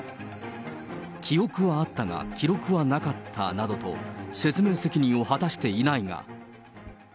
記憶はあったが記録はなかったなどと、説明責任を果たしていないが。